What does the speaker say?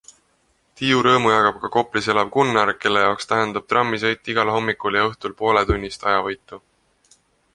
Tiiu rõõmu jagab ka Koplis elav Gunnar, kelle jaoks tähendab trammisõit igal hommikul ja õhtul pooletunnist ajavõitu.